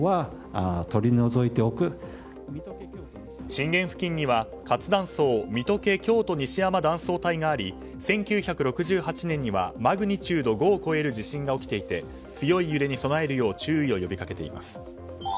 震源付近には活断層三峠・京都西山断層帯があり１９６８年にはマグニチュード５を超える地震が起きていて強い揺れに備えるよう注意を呼びかけています。